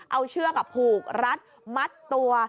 เอาเชือกผูกรัดมัดตัว